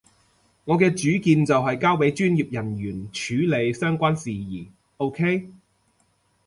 我嘅主見就係交畀專業人員處理相關事宜，OK？